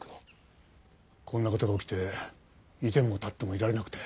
こんな事が起きていても立ってもいられなくて。